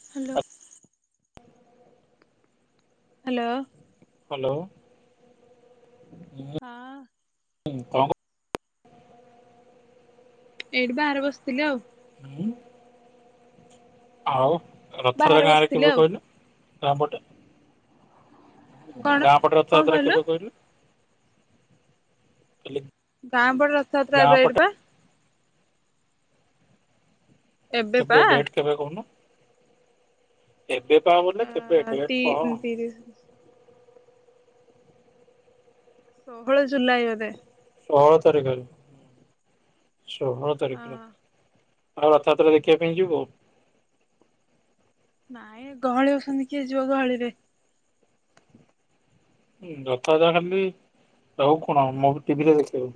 Hello. Hello. Hello. ହଁ। ହୁଁ କଣ କ ଏଇଠି ବାହାରେ ବସିଥିଲି ଆଉ। ହୁଁ ଆଉ ରଥରେ ବାହାରେ ଗାଁରେ ବସିଥିଲି କେବେ ଆଉ କହିଲୁ? ଆଉ ପଟେ କଣ ଗାଁ ପଟରେ ରଥଯାତ୍ରା କେବେ କହିଲୁ? [unintelligible] ଗାଁ ପଟ ରଥଯାତ୍ରା ଗାଁ ଏବେ ପଟେ ଏଇଟି ପା। ଏବେ ପା କେବେ ଡେଟ୍ କେବେ କହୁନୁ? ଏବେ ପା ବ ଅ କେବେ ଡେଟ୍ ତି କହ। ତିରିଶ ଷୋହଳ ଯେ ଜୁଲାଇ ବୋଧେ। ଷୋହଳ ତାରିଖରେ। ଷୋହଳ ହଁ ତାରିଖରେ। ଆଉ ରଥଯାତ୍ରା ଦେଖିବା ପାଇଁ ଯିବୁ? ନାଇଁ ଗହଳି ଅଛନ୍ତି କିଏ ଯିବ ଗହଳିରେ? ହଁ ରଥଯାତ୍ରା ଖାଲି ଆଉ କଣ ମୁଁ ଟିଭିରେ ଦେଖେଇବୁ?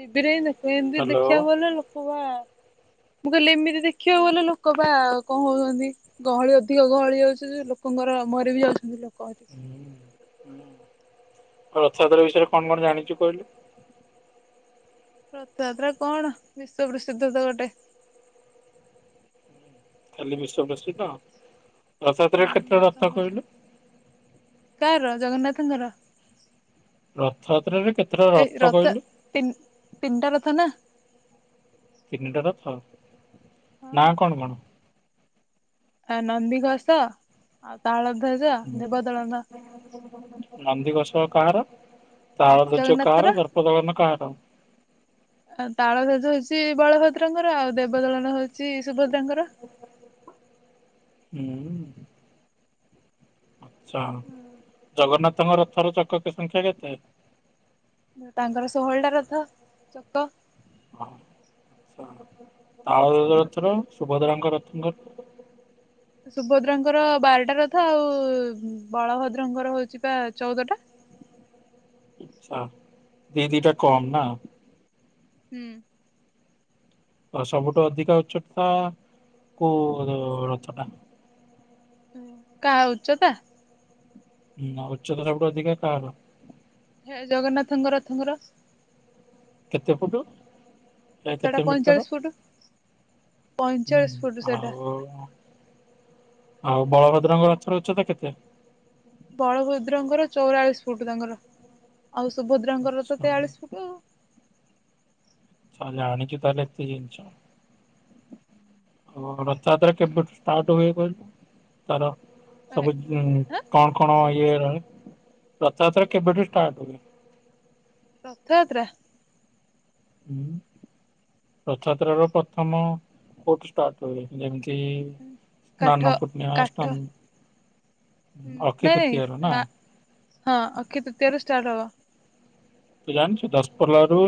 ଟିଭି ରେ ହିଁ ଦେଖି ତୁ ଏମିତି ହ୍ୟାଲୋ ଆଉ ଦେଖିବାକୁ ଗଲେ ଲୋକ ବା ମୁଁ କହିଲି ଏମିତି ଦେଖିବାକୁ ଗଲେ ଲୋକ ବା କଣ ହଉଛନ୍ତି ଗହଳି ଅଧିକ ଗହଳି ହଉଛି ଲୋକଙ୍କର ମରି ବି ଯାଉଛନ୍ତି। କହତୁ। ହୁଁ ରଥଯାତ୍ରା ବିଷୟରେ କଣ କଣ ଜାଣିଛୁ କହିଲୁ? ରଥଯାତ୍ରା କଣ ବିଶ୍ଵ ପ୍ରସିଦ୍ଧ ତ ଗୋଟେ। ଖାଲି ବିଶ୍ୱପ୍ରସିଦ୍ଧ? ରଥଯାତ୍ରା ରେ କେତେଟା ହୁଁ ରଥ ସମସ୍ତେ କହିଲୁ? ଙ୍କର। ରଥଯାତ୍ରାରେ କେତେଟା ରଥ କହିଲୁ? ତିନି ତିନିଟା ରଥ ନା। ତିନିଟା ରଥ। ନା କଣ କଣ? ଆ ନନ୍ଦିଘୋଷ ଆଉ ତାଳ ନନ୍ଦିଘୋସ। କାହାର? ତାଳଧ୍ୱଜ ଜଗନ୍ନାଥର। କାହାର ଦର୍ପଦଳନ କାହାର? ତାଳଧ୍ୱଜ ହେଉଛି ବଳଭଦ୍ରଙ୍କର ଆଉ ଦେବଦଳନ ହେଉଛି ସୁଭଦ୍ରା ଦ୍ରା ଙ୍କର। ହୁଁ। ଆଚ୍ଛା ଜଗନ୍ନାଥ ତମର ଥରର ଚକ ସ ସଂଖ୍ୟା କେତେ? ତାଙ୍କର ଷୋହଳ ଟା ରଥ ଚକ। ତାଳଧ୍ୱଜ ରଥର ସୁଭଦ୍ରାଙ୍କ ରଥଙ୍କ- ସୁଭଦ୍ରାଙ୍କର ବାରଟା ରଥ ଆଉ ବଳଭଦ୍ରଙ୍କର ହଉଛି ବା ଚଉଦଟା। ଇଛା ଦି ଦି ଟା କମ୍ ନା। ହୁଁ। ତ ସବୁଠୁ ଅଧିକା ଉଚ୍ଚତା କୋଉ ରଥ ଟା? ହଁ କାହା ଉଚ୍ଚତା? ହୁଁ ଉଚ୍ଚତା ସବୁଠୁ ଅଧିକା କାହାର? ହେ ଜଗନ୍ନାଥଙ୍କ ରଥଙ୍କର କେତେ ଫୁଟ? ଏ ସେଟା କେତେ ମିଟର? ପଇଁଚାଳିଶ ଫୁଟ ହୁଁ ପଇଁଚାଳିଶ ଫୁଟ ସେଟା। ଆଉ ଆଉ ବଳଭଦ୍ରଙ୍କ ରଥ ର ଉଚ୍ଚ ତ କେତେ? ବଳଭଦ୍ରଙ୍କର ଚଉରାଳିଶ ଫୁଟ ତାଙ୍କର। ଆଉ ସୁଭଦ୍ରାଙ୍କର ତ ଆଚ୍ଛା ତେୟାଳିଶ ଫୁଟ । ଆଚ୍ଛା ଜାଣିଛୁ ତାହଲେ ଏତେ ଜିନିଷ ଆଉ ହଁ ରଥଯାତ୍ରା କେବେଠୁ ଷ୍ଟାର୍ଟ ହୁଏ କହିଲୁ ତାର ଏ ସବୁ ଆଁ କଣ କଣ ଇଏ? ରଥଯାତ୍ରା କେବେଠୁ ଷ୍ଟାର୍ଟ ହୁଏ? ରଥ ଯାତ୍ରା। ରଥଯାତ୍ରର ପ୍ରଥମ କୋଉଠୁ ଷ୍ଟାଟ ହୁଏ ଯେମିତି ଏଇ କାଠ ସ୍ନାନ ପୂର୍ଣ୍ଣିମା କାଠ ଷ୍ଟାନ ନାଇଁ ନାଇଁ ନା ହଁ କେକେବେ ଷ୍ଟାଟ୍ ହବ। ତୁ ଜାଣିଛୁ ଦଶପଲା ରୁ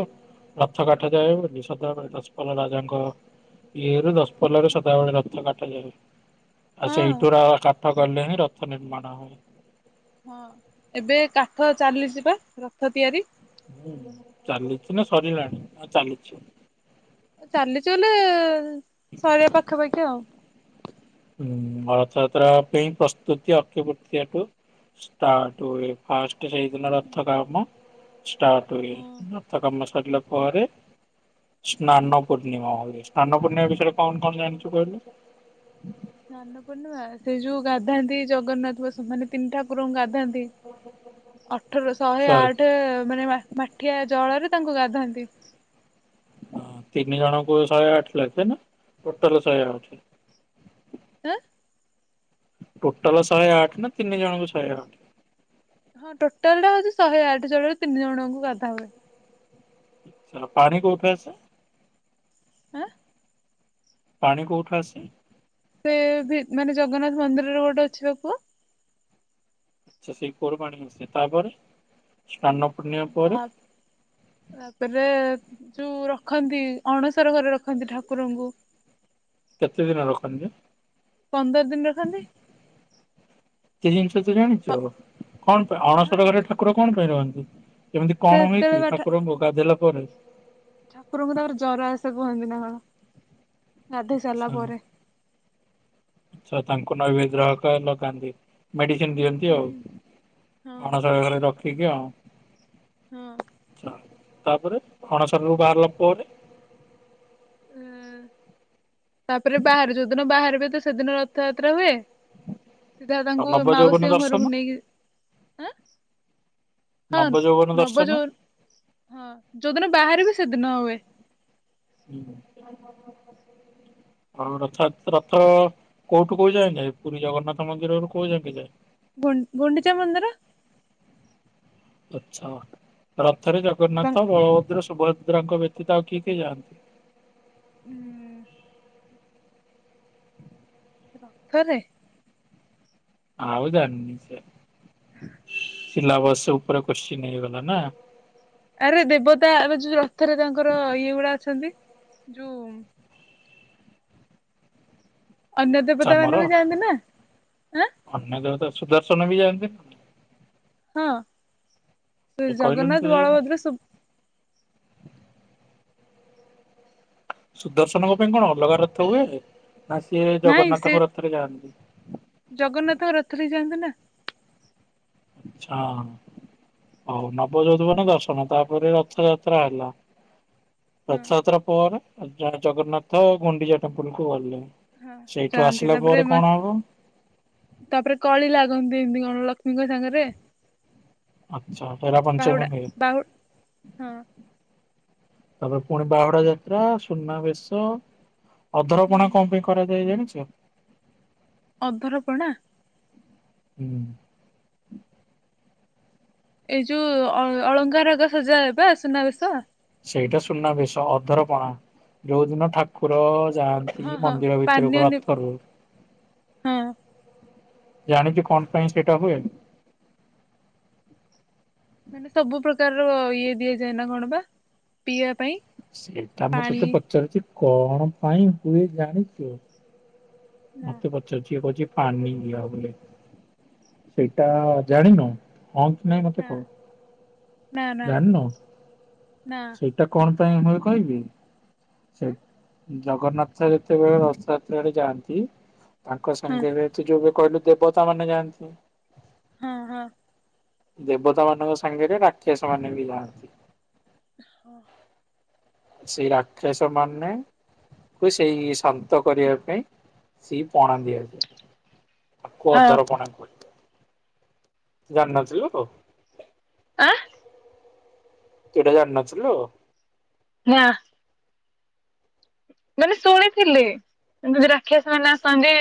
ରଥ କାଠ ଯାଏ ବୋଲି [unintelligible] ପୋଲରେ ସଦାବେଳେ ରଥକାଠ [unintelligible] ଆ ହଁ ସେଇଠୁରା କାଠ ଗଲେ ହିଁ ରଥ ନିର୍ମାଣ ହବ। ହଁ, ଏବେ କାଠ ଚାଲିଚିବା ରଥ ତିଆରି । ହୁଁ, ଚାଲିଛି ନା ସରିଲାଣି! ଆ ଚାଲିଛି । ଚାଲିଚି ବଲେ ଶରୀର ପାଖା ପାଖି । ଉଟ [inaudible] ହଁ, ରଥଯାତ୍ରା ପାଇଁ ପ୍ରସ୍ତୁତି ଅକ୍ଷିତୃତୀୟା ଠୁ ଷ୍ଟାର୍ଟ ହୁଏ। େ [inaudible] ସେଇଦିନ ରଥ କାମ ଷ୍ଟାର୍ଟ ହୁଏ ହଁ ଆଉ ତା ସାରିଲା ପରେ, ସ୍ନାନ ପୂର୍ଣ୍ଣିମା ହଉଛି ।ସ୍ନାନ ପୂର୍ଣ୍ଣିମା ବିଷୟରେ କଣ କଣ ଜାଣିଛୁ କହିଲୁ? ହୁଁ [inaudible] ସ୍ନାନ ପୂର୍ଣ୍ଣିମା, ସେ ଯୋଉ ଗାଧାନ୍ତି ଜଗନ୍ନାଥ ବସୁ ମାନେ ତିନି ଠାକୁରଙ୍କୁ ଗାଧାନ୍ତି ଅଠର ଶହେ ଆଠ ମାନେ ମାଠିଆ ଜଳରେ ତାଙ୍କୁ ଗାଧାନ୍ତି। । ତିନି ଜଣଙ୍କୁ ଶହେ ଆଠ ଲେଖେ ନା ଟୋଟାଲ ଶହେ ଆଠ? ଆଁ ଟୋଟାଲ ଶହେ ଆଠ ନା ତିନି ଜଣଙ୍କୁ ଶହେ ଆଠ । ହଁ ଟୋଟାଲ ଟା ହଉଛି ଶହେ ଆଠ ଜଣ ର ତିନି ଜଣଙ୍କୁ ଗାଧା ହୁଏ। ପାଣି କୋଉଠୁ ଆସେ? ଆଁ? ପାଣି କୋଉଠୁ ଆସେ?? ସେ ମାନେ ଜଗନ୍ନାଥ ମନ୍ଦିରରେ ଗୋଟେ ଅଛି ବା ପୁଅ । ଆଛା ସେଇ କୂଅ ରୁ ପାଣି ଆସେ । ତାପରେ, ସ୍ନାନ ପୂର୍ଣ୍ଣିମା ପରେ ତା ତାପରେ ଯୋଉ ରଖନ୍ତି ଅଣସର ଘରେ ରଖନ୍ତି ଠାକୁରଙ୍କୁ କେତେ ଦିନ ରଖନ୍ତି ପନ୍ଦର ଦିନ । ରଖନ୍ତି ସେ ଜିନିଷ ତ ପ ଜାଣିଛ? କଣ ପାଇଁ, ଅଣସର ହଁ ଘରେ ଠାକୁର କଣ ପାଇଁ ରହନ୍ତି? ହୁ [inaudible] କେମିତି କଣ ହୁଏ ସେତେବେଳେ କି ବା ଠା ଠାକୁରଙ୍କୁ ଗାଧେଇଲା କର [inaudible] ଠାକୁରଙ୍କୁ ତା ପରେ ଜର ଆସେ କୁହନ୍ତି ନା ଗାଧେଇ ସାରିଲା ଆଛା ପରେ । ତ ତାଙ୍କୁ ନୈବଦ୍ର କହିଲ [inaudible] ମେଡିସିନ ଦିଅନ୍ତି ହୁଁ ଆଉ ହଁ ଅଣସର ଘରେ ରଖି [unintelligible] ହଁ। ତାପରେ ଅଣସରରୁ ବାହାରିଲା ପରେ? [inaudible] ତାପରେ ବାହାରେ ଯୋଉଦିନ ବାହାରେ ଏବେ ତ ସେଦିନ ରଥଯାତ୍ରା ହୁଏ। ସିଧା ଆଉ ତାଙ୍କୁ ନବଯୌବନ ମାଉସୀଙ୍କ ଦର୍ଶନ ଘରକୁ ନେଇକି ଆଁ ହଁ ନବଯୌବନ ନବ ଦର୍ଶନ ଯୋବ ହଁ ଯୋଉଦିନ ବାହାରିବେ କେତେଦିନ ହୁଏ? ହୁଁ ଆଉ ରଥଯାତ୍ରା ରଥ କୋଉଠୁ କୋଉ ଯାଏ ପୁରୀ ଜଗନ୍ନାଥ ମନ୍ଦିରରୁ କୋଉ ଯାଏଁ ଯାଏ। ଗୁ ଗୁଣ୍ଡିଚା ମନ୍ଦିର। ଆଚ୍ଛା। ରଥରେ ବଂ ଜଗନ୍ନାଥ ବଳଭଦ୍ର ସୁଭ ସୁଭଦ୍ରାଙ୍କ ବ୍ୟତୀତ ଆଉ କିଏ କିଏ ଯାଆନ୍ତି? ହୁଁ। ରଥରେ । ଆଉ ଜାଣିନି ସେ ହଁ। ସିଲାବସ ଉପରେ କୋଶ୍ଚିନ୍ ହେଇଗଲା ନା? ଆରେ ଦେବତା ଏ ଯୋଉ ରଥରେ ତାଙ୍କର ଇଏ ଗୁଡା ଅଛନ୍ତି । ଯୋଉ ଅନ୍ୟ ଦେବତା ଆମର ମାନେ ବି ଯାଆନ୍ତି ନାଁ ହାଁ। ଅନ୍ୟ ଦେବତା ସୁଦର୍ଶନ ବି ଯାଆନ୍ତି ନା । ହଁ। ଶ୍ରୀ କହିଲୁନି ତ ଜଗନ୍ନାଥ ସେଇ ବଳଭଦ୍ର ସୁଭ୍ ସୁଦର୍ଶନଙ୍କ ପାଇଁ କଣ ଅଲଗା ରଥ ହୁଏ । ନାଇଁ ସେ ଜଗନ୍ନାଥଙ୍କ ରଥରେ ଯାଆନ୍ତି ନା । ଆଚ୍ଛା ହଉ ନବ ଯୌଧପନ‌ଦର୍ଶନ ତାପରେ ରଥଯାତ୍ରା ହେଲା। ହଁ ରଥଯାତ୍ରା ପରେ । ଜଣେ ଜଗନ୍ନାଥ ଗୁଣ୍ଡିଚା ଟେମ୍ପଲକୁ ଗଲେ। ହଁ ସେଇଠୁ ଯାଆନ୍ତି ଆସିଲା ତାପରେ ପରେ କଣ ହବ ତାପରେ କଳି ଲାଗନ୍ତି। ଏମିତି କଣ? ରାଣୀ ଲକ୍ଷ୍ମୀଙ୍କ ସାଙ୍ଗରେ। ଆଚ୍ଛା ବାହୁଡା ହେରାପଞ୍ଚମୀଠଉ। ବାହୁ ହଁ ତାପରେ ପୁଣି ବାହୁଡ଼ା ଯାତ୍ରା ସୁନାବେଶ । ଅଧରପଣା ହୁଁ କଣ ପାଇଁ କରାଯାଏ ଜାଣିଚ? ଆଛା। ଅଧରପଣା। ହୁଁ। ଏଇ ଯୋଉ ଅଳଙ୍କାର ହେରିକା ସଜା ହେବ ସୁନାବେଶ। ସେଇଟା ସୁନା ବେଶ ଅଧର ପଣା ଯୋଉଦିନ ଠାକୁର ଏ ଯାଆନ୍ତି ହଁ ହଁ ମନ୍ଦିର ପାନୀୟ ଭିତରକୁ ନି ରଥ ରୁହେ। ହଁ ଜାଣିଛୁ କଣ ପାଇଁ ସେଟା ହୁଏ? ମାନେ ସବୁ ପ୍ରକାରର ଇଏ ଦିଆଯାଏ ନା କଣ ପିଇବା ପାଇଁ? ସେଇଟା ମୁଁ ପାଣି ତତେ ପଚାରୁଛି କଣ? କାଇ ପାଇଁ ହୁଏ ଜାଣିଚୁ। ନା ମତେ ପଚାରୁଚି ଇଏ କ ପାନିଆ ବୋଲି ସେଇଟା ଜାଣିନୁ? ହଁ କି ନାଇଁ ମତେ ନା କହ ନା ନା ଜାଣିନୁ ନା ସେଇଟା କଣ? ପାଇଁ ମୁଁ କହିବି। ସେ ହୁଁ ଜଗନ୍ନାଥ ଯେତେବେଳେ ରଥଯାତ୍ରା ରେ ଯାଆନ୍ତି ନ୍ତି ତାଙ୍କ ହଁ ସାଙ୍ଗରେ ଏତେ ଯୋଉ କହିଲୁ ଦେବତା ମାନେ ଯାଆନ୍ତି। ହଁ ହଁ। ଦେବତା ମାନଙ୍କ ସାଙ୍ଗରେ ରାକ୍ଷସ ମାନେ ବି ଯାଆନ୍ତି। ହଁ। ସେଇ ରାକ୍ଷସ ମାନଙ୍କୁ ସେଇ ଶାନ୍ତ କରିବା ପାଇଁ ସେ ପଣା ଦିଆଯାଏ। ତାକୁ ହଁ ଅଧରପଣା କୁହନ୍ତି। ଜାଣିନଥିଲୁ? ଆଁ ଏଇଟା ଜାଣି ନ ଥିଲୁ? ନା। ମାନେ ଶୁଣିଥିଲି ଯଦି ରାକ୍ଷସ ମାନେ ଆସନ୍ତି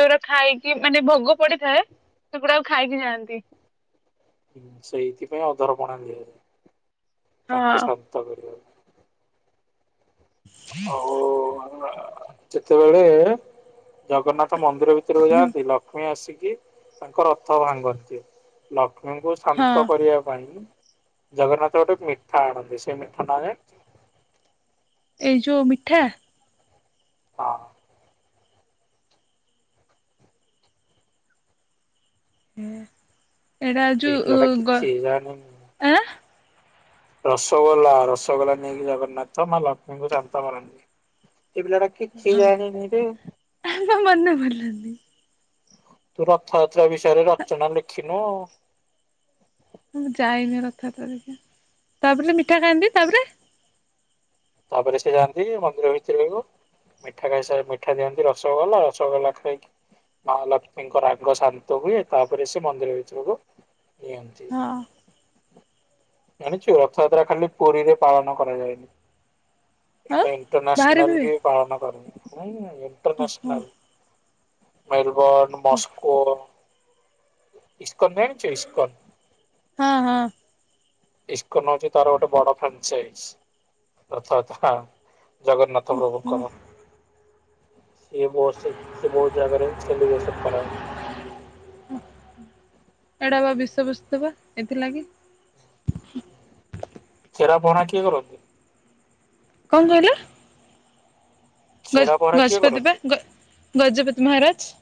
ଯୋଉଟା ଖାଇକି ମାନେ ଭୋଗ ପଡିଥାଏ ସେଗୁଡାକୁ ଖାଇକି ଯାଆନ୍ତି। ହୁଁ ସେଇଥିପାଇଁ ଅଧାର ପଣା ଦିଆ ହୁଏ। ତାଙ୍କୁ ହଁ। ଶାନ୍ତ କରିବାକୁ ଆଉ [inaudible] ଯେତେବେଳେ ଜଗନ୍ନାଥ ମନ୍ଦିର ଭିତରକୁ ହଁ ଯାଆନ୍ତି ଲକ୍ଷ୍ମୀ ଆସି ତାଙ୍କ ରଥ ଭାଙ୍ଗନ୍ତି। ମାଙ୍କୁ ହଁ ଶାନ୍ତ କରିବା ପାଇଁ ଜଗନ୍ନାଥ ଗୋଟେ ମିଠା ଆଣନ୍ତି ସେଇ ମିଠା ନାଁ ଜାଣିଚୁ? ଏଇ ଯୋଉ ମିଠା ହଁ। ହୁଁ। ଏଇଟା ଏଇ ଯଉ ପିଲାଟା ଗ କିଛି ଜାଣିନି। ଆ ରସଗୋଲା ରସଗୋଲା ନେଇକି ଜଗନ୍ନାଥ ମା ଲକ୍ଷ୍ମୀଙ୍କୁ ଶାନ୍ତ କରାନ୍ତି। ଏଇ ପିଲାଟା କିଛି ଜାଣିନିରେ। ମୋ ମନେ ପଡ଼ିଲାନି ତୁ ରଥଯାତ୍ରା ବିଷୟରେ ରଚନା ଲେଖିନୁ ଆଉ? ମୁଁ ଯାଇନି ତାପରେ [unintelligible] ମିଠା ଖାଆନ୍ତି ତାପରେ? ତାପରେ ସେ ଯାଆନ୍ତି ମନ୍ଦିର ଭିତରକୁ ମିଠା ଖାଇସାରି ମିଠା ଦିଅନ୍ତି ରସଗୋଲା ରସଗୋଲା ଖାଇକି ମା ଲକ୍ଷ୍ମୀଙ୍କ ରାଗ ଶାନ୍ତ ହୁଏ ତାପରେ ସେ ମନ୍ଦିର ଭିତରକୁ ନିଅନ୍ତି। ହଁ। ଜାଣିଛୁ ରଥଯାତ୍ରା ଖାଲି ପୁରୀରେ ପାଳନ କରାଯାଏ ନି। ଆଉ ଏଇଟା ବାହାରେ ଇଣ୍ଟରନ୍ୟାସନାଲ ପିଇବେ ବି ପାଳନ କରନ୍ତି [inaudible] ଓହୋ ଇଣ୍ଟରନାସନାଲ। ମେରୁ ବର୍ନ ହଁ ମସ୍କୋ। [inaudible] ଇସ୍କନ ଜାଣିଚୁ ଇସ୍କନ। ହଁ ହଁ ଇସ୍କନ ହଉଛି ତାର ଗୋଟେ ବଡ ଫାକଚାଇସ୍ ହେଁ ହେଁ ରଥଯାତ୍ରାର। ଜଗନ୍ନାଥ ଓହୋ ପ୍ରଭୁଙ୍କର। ସିଏ ବହୁ ସେ ବହୁତ ଜାଗାରେ ସେଲିବ୍ରେସନ କରାଏ। ଏଡା ବା ବିଷୟ ବସ୍ତୁ ବା ଏଥିଲାଗି। ଚେରାପହରା କିଏ କରନ୍ତି? କଣ କହିଲ? ଗଜ ଛେରା ପହଁରା କିଏ ଗଜପତି ବା କରନ୍ତି? ଗ୍ ଗଜପତି ମହାରାଜ।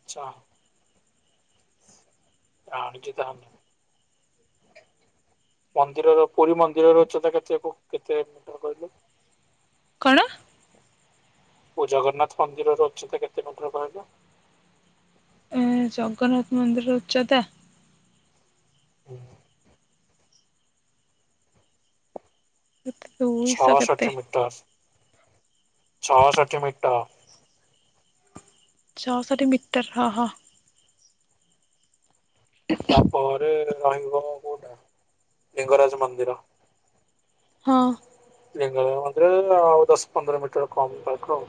ଆଛା ରାଣୀ କି ଚାହାନି। ମନ୍ଦିରର ପୁରୀ ମନ୍ଦିରର ଉଚ୍ଚତା କେତେ କେତେ ମିଟର କହିଲୁ? କଣ? ଓ ଜଗନ୍ନାଥ ମନ୍ଦିର ଉଚ୍ଚତା କେତେ ମିଟର କହିଲୁ? ଜଗନ୍ନାଥ ମନ୍ଦିର ଉଚ୍ଚତା ହୁଁ କେତେ ଦୁଇଶହ କେତେ ଛଅଷଠି ମିଟର। ଛଅଷଠି ମିଟ ଟର। ଛଅଷଠି ମିଟର ହଁ ହଁ। ତା ପରେ ହି [inaudible] କୋଉଟା ଲିଙ୍ଗରାଜ ମନ୍ଦିର। ହଁ। ଲିଙ୍ଗରାଜ ମନ୍ଦିର ଆଉ ଦଶ ପନ୍ଦର ମିଟର କମ୍ ତାଠୁ ଆଉ।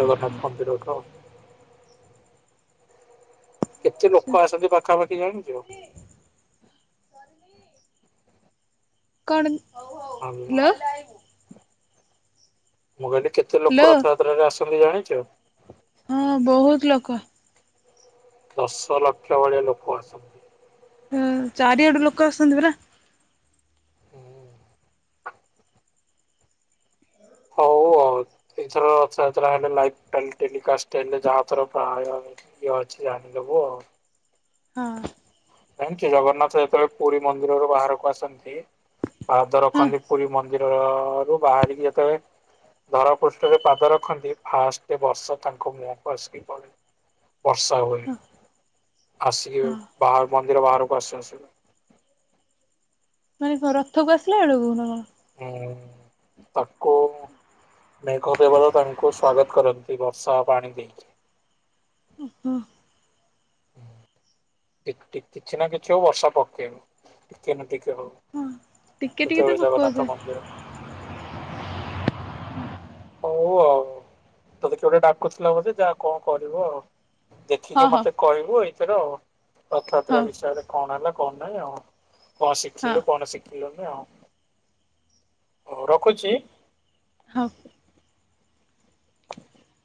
ଜଗନ୍ନାଥ ମନ୍ଦିର ଠୁ ଆଉ। କେତେ ହଁ ଲୋକ ଆସନ୍ତି ପାଖାପାଖି ଜାଣିଥିବ? କଣ? ଭ ବିିବା ହ୍ୟାଲୋ [inaudible] ମୁଁ କହିଲି କେତେ ହ୍ୟାଲୋ ଲୋକ ରଥଯାତ୍ରାରେ ଆସ ତମି [inaudible] ଜାଣିଚୁ । ହଁ ।ବହୁତ ଲୋକ। ଦଶଲକ୍ଷ ଭଳିଆ ଲୋକ ଆଛନ୍ତି। ହୁ ଚାରିଆଡେ ଲୋକ ଆସଛନ୍ତି ପରା। ହୁଁ। ହଉ ଆଉ ଏଥର ରଥଯାତ୍ରା ହେଲେ ଲାଇଭ [unintelligible] ଅଛି ଜାଣିଦବୁ ଆଉ। ହଁ। ଜାଣିଛୁ ଜଗନ୍ନାଥ ଯେତେବେଳେ ପୁରୀ ମନ୍ଦିରରୁ ବାହାରକୁ ଆସନ୍ତି ପାଦ ହଁ ରଖନ୍ତି ପୁରୀ ମନ୍ଦ ମନ୍ଦିରରୁ ବାହାରିକି ଯେତେବେଳେ ଧରା ପୃଷ୍ଠରେ ପାଦ ରଖନ୍ତି ଫାଷ୍ଟ [unintelligible] ତାଙ୍କ ମୁହଁକୁ ଆସିକି ପଡେ। ବର୍ଷା ହୁଏ ହଁ ଆସିକି ହଁ ବାହାର୍ ମନ୍ଦିର ବାହାରକୁ ଆସୁ ଆସୁ ମାନେ କଣ ରଥକୁ ଆସିଲା ବେଳକୁ ନା କଣ? ହୁଁ ତାକୁ ମେଘ ଦେବତା ତାଙ୍କୁ ସ୍ଵାଗତ କରନ୍ତି ବର୍ଷା ପାଣି ଦେଇକି ଉମହୁଁ । ଟି ଟି କିଛି ନା କିଛି ହଉ ବର୍ଷା ପକେଇବ ଟିକେ ନା ଟିକେ ହଉ ହଁ ଟିକେ ଟିକେ ତ ଯେତେବେଳେ ପକଉଥା ଜଗନ୍ନାଥ ମନ୍ଦିର ହଉ ଆଉ ତୋତେ କିଏ ଗୋଟେ ଡାକୁଥିଲା ବୋଧେ ଯା କଣ କରିବ ଆଉ। ହଁ ଦେଖିକି ହଉ ମତେ କହିବୁ ଏଇ [unintelligible] ରଥଯାତ୍ରା ହଉ ବିଷୟରେ କଣ ହେଲା କଣ ନାହିଁ ଆଉ। କଣ ହଁ ଶିଖିଲୁ କଣ ଶିଖି ଲୁନି ଆଉ ହଉ ରଖୁଛି। ହଁ।